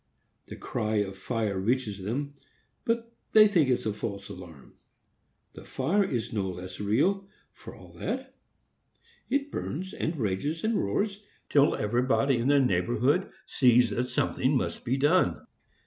The cry of fire reaches them, but they think it a false alarm. The fire is no less real, for all that. It burns, and rages, and roars, till everybody in the neighborhood sees that something must be done.